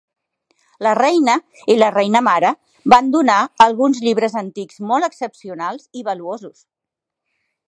La Reina i la Reina Mare van donar alguns llibres antics molts excepcionals i valuosos.